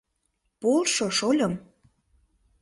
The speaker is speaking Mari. — Полшо, шольым!